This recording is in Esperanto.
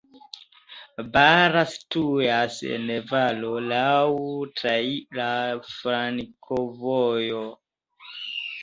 Bara situas en valo, laŭ traira flankovojo.